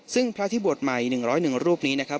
ซึ่งพระที่บวชใหม่๑๐๑รูปนี้นะครับ